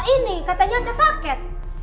ini katanya ada paket